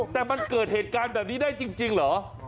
แต่มันเกิดเหตุการณ์แบบนี้ได้จริงเหรอ